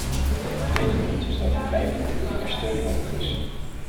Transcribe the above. Tweede punt is dat er blijvende publieke steun nodig is.